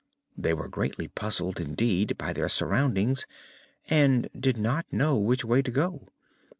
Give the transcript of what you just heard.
They were greatly puzzled, indeed, by their surroundings and did not know which way to go.